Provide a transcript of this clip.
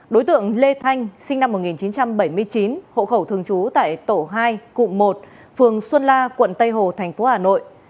đối tượng lê thanh sinh năm một nghìn chín trăm bảy mươi chín hộ khẩu thường trú tại tổ hai cụm một phường xuân la quận tây hồ thành phố hà nội